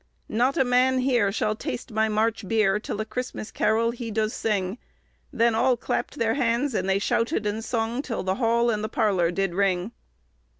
Not a man here shall taste my March beer, Till a Christmas carol he does sing; Then all clapt their hands, and they shouted and sung, Till the hall and the parlour did ring."